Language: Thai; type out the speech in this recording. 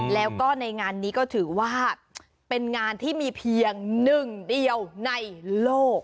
แล้วก็ในงานนี้ก็ถือว่าเป็นงานที่มีเพียงหนึ่งเดียวในโลก